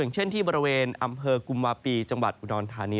เช่นที่บริเวณอำเภอกุมวาปีจังหวัดอุดรธานี